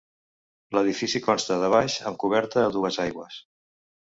L'edifici consta de baix amb coberta a dues aigües.